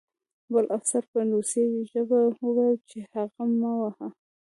بل افسر په روسي ژبه وویل چې هغه مه وهه